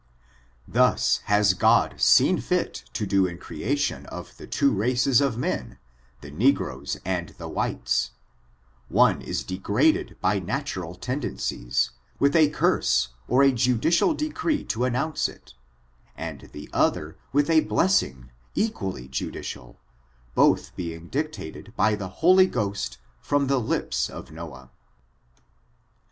Thus has Qod seen fit to do in the creation of the two races of men, the negroes and the whites ; one is degraded by fiatural tendencies, with a curse or a judicial decree to announce it, and the other with a blessing, equally judicial, both being dictated by the Holy Ghost from the lips of Noah.